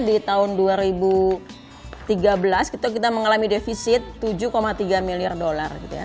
di tahun dua ribu tiga belas kita mengalami defisit tujuh tiga miliar dolar gitu ya